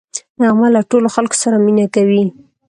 نغمه له ټولو خلکو سره مینه کوي